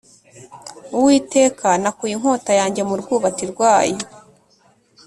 uwiteka nakuye inkota yanjye mu rwubati rwayo